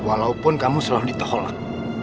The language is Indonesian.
walaupun kamu selalu ditolak